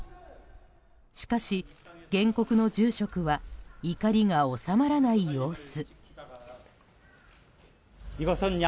しかし、原告の住職は怒りが収まらない様子。